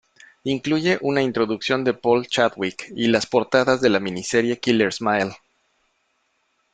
Incluye una introducción de Paul Chadwick y las portadas de la miniserie Killer Smile.